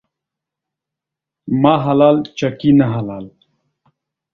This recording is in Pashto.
ما حلال ، چکي نه حلال.